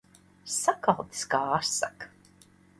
Sakaltis kā asaka.